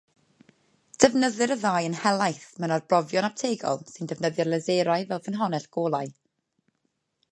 Defnyddir y ddau yn helaeth mewn arbrofion optegol sy'n defnyddio laserau fel ffynhonnell golau.